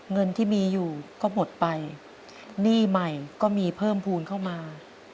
เงินที่มีอยู่ก็หมดไปหนี้ใหม่ก็มีเพิ่มภูมิเข้ามา